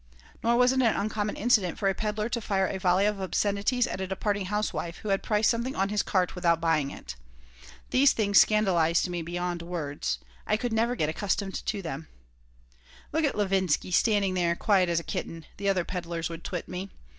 Nor was it an uncommon incident for a peddler to fire a volley of obscenities at a departing housewife who had priced something on his cart without buying it. These things scandalized me beyond words. I could never get accustomed to them "Look at Levinsky standing there quiet as a kitten," the other peddlers would twit me.